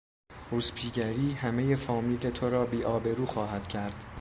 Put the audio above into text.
روسپیگری همهی فامیل تو را بیآبرو خواهد کرد.